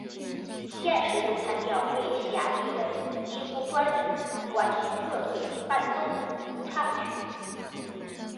现时咏叹调被狭义为几乎专指管弦乐队伴奏的独唱曲。